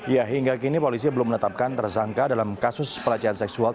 ya hingga kini polisi belum menetapkan tersangka dalam kasus pelecehan seksual